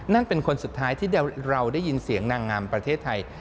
นั่นเป็นคนสุดท้ายที่เราได้ยินเสียงนางงามประเทศไทย